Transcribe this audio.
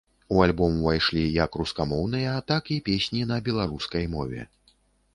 У альбом увайшлі як рускамоўныя, так і песні на беларускай мове.